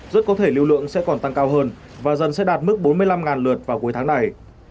rất có thể lưu lượng sẽ còn tăng cao hơn và dần sẽ đạt mức bốn mươi năm lượt vào cuối tháng này